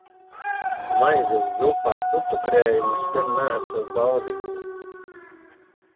Maizes zupa ar putukrējumu sen neesot baudīta.